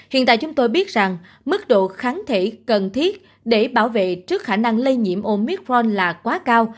hiện tại chúng tôi biết rằng mức độ kháng thể cần thiết để bảo vệ trước khả năng lây nhiễm omithon là quá cao